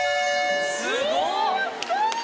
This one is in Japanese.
すごっ！